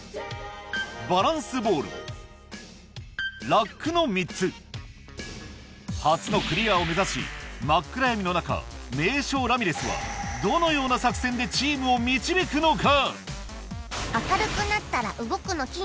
わあの３つ初のクリアを目指し真っ暗闇の中名将ラミレスはどのような作戦でチームを導くのか？